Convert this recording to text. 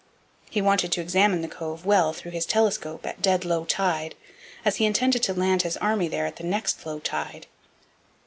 He wanted to examine the Cove well through his telescope at dead low tide, as he intended to land his army there at the next low tide.